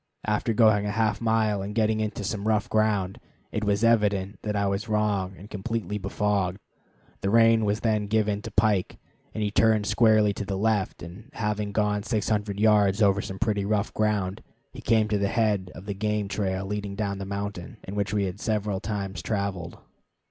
After going a half mile and getting into some rough ground, it was evident that I was wrong and completely befogged. The rein was then given to Pike, and he turned squarely to the left, and, having gone 600 yards over some pretty rough ground, he came to the head of the game trail leading down the mountain, and which we had several times traveled.